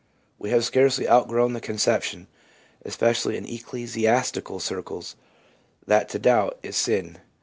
We have scarcely outgrown the conception, especially in ecclesiastical circles, that to doubt is sin.